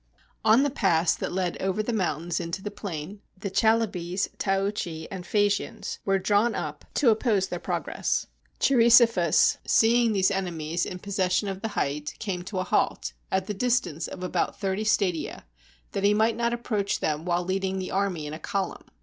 ] On the pass that led over the mountains into the plain, the Chalybes, Taochi, and Phasians were drawn up to 167 GREECE oppose their progress. Cheirisophus, seeing these ene mies in possession of the height, came to a halt, at the distance of about thirty stadia, that he might not ap proach them while leading the army in a column.